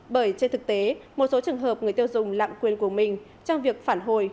bởi trên thực tế một số trường hợp người tiêu dùng lạm quyền của mình trong việc phản hồi